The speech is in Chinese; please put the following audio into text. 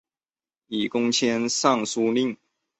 以功迁尚书令。